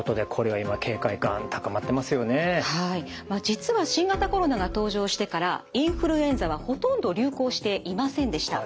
実は新型コロナが登場してからインフルエンザはほとんど流行していませんでした。